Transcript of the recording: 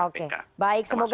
oke baik semoga